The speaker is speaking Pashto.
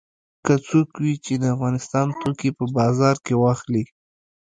که څوک وي چې د افغانستان توکي په بازار کې واخلي.